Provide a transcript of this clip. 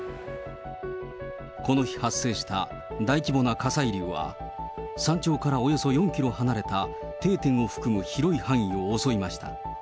この日、発生した大規模な火砕流は、山頂からおよそ４キロ離れた、定点を含む広い範囲を襲いました。